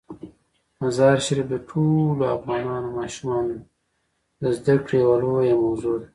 مزارشریف د ټولو افغان ماشومانو د زده کړې یوه لویه موضوع ده.